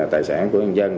tài sản của nhân dân